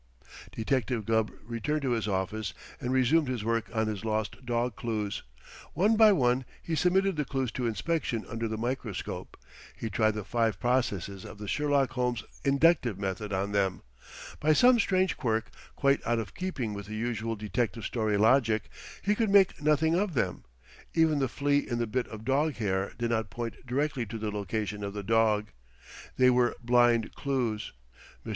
Detective Gubb returned to his office and resumed his work on his lost dog clues. One by one he submitted the clues to inspection under the microscope. He tried the five processes of the Sherlock Holmes inductive method on them. By some strange quirk, quite out of keeping with the usual detective story logic, he could make nothing of them. Even the flea in the bit of dog hair did not point direct to the location of the dog. They were blind clues. Mr.